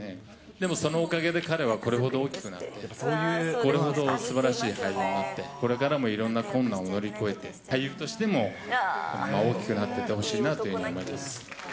でもそのおかげで、彼はこれほど大きくなって、これほどすばらしい俳優になって、これからもいろんな困難を乗り越えて、俳優としても大きくなっていってほしいなというふうに思います。